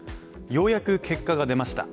ようやく結果が出ました。